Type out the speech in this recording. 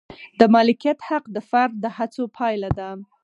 د مالکیت حق د فرد د هڅو پایله ده.